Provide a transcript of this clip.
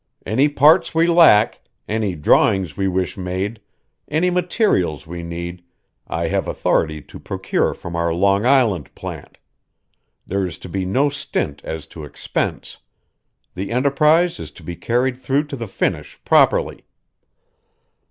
Any parts we lack, any drawings we wish made, any materials we need I have authority to procure from our Long Island plant. There is to be no stint as to expense. The enterprise is to be carried through to the finish properly."